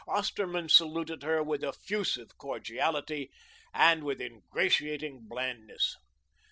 Osterman saluted her with effusive cordiality and with ingratiating blandness.